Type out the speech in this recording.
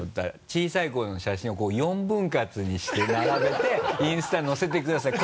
小さい頃の写真をこう４分割にして並べてインスタにのせてください